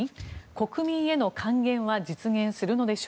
国民への還元は実現するのか。